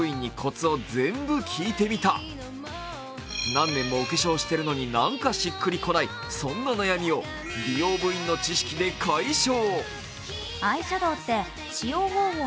何年もお化粧してるのになんかしっくりこない、そんな悩みを美容部員の知識で解消。